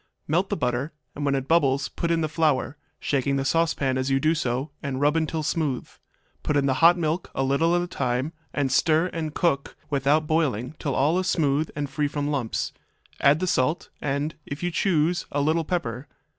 Melt the butter, and when it bubbles put in the flour, shaking the saucepan as you do so, and rub till smooth. Put in the hot milk, a little at a time, and stir and cook without boiling till all is smooth and free from lumps. Add the salt, and, if you choose, a little pepper.